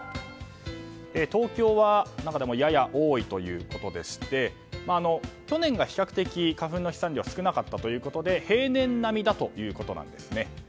東京はやや多いということでして去年が比較的、花粉の飛散量が少なかったということで平年並みということです。